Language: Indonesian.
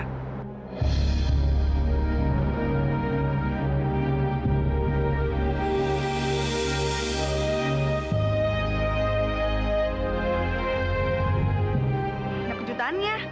kenapa kejutan ya